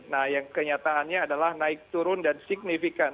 nah yang kenyataannya adalah naik turun dan signifikan